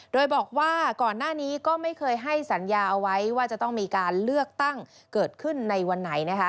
โดยบอกว่าก่อนหน้านี้ก็ไม่เคยให้สัญญาเอาไว้ว่าจะต้องมีการเลือกตั้งเกิดขึ้นในวันไหนนะคะ